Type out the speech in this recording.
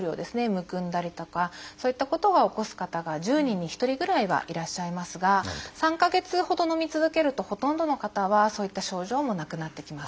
むくんだりとかそういったことを起こす方が１０人に１人ぐらいはいらっしゃいますが３か月ほどのみ続けるとほとんどの方はそういった症状もなくなってきます。